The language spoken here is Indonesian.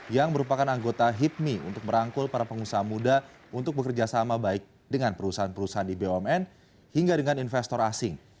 yang merupakan anggota hipmi untuk merangkul para pengusaha muda untuk bekerjasama baik dengan perusahaan perusahaan di bumn hingga dengan investor asing